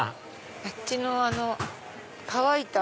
あっちの乾いた。